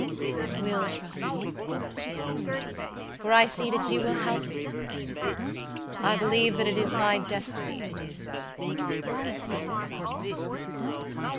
"I will trust you," she answered, "for I see that you will help me." "I believe that it is my destiny to do so," he said, solemnly.